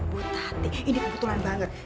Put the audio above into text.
buat tati ini kebetulan banget